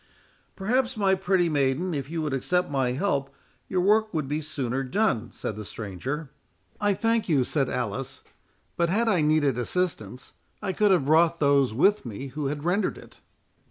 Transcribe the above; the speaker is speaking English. "Perhaps, my pretty maiden, if you would accept my help, your work would be sooner done," said the stranger. "I thank you," said Alice; "but had I needed assistance, I could have brought those with me who had rendered it."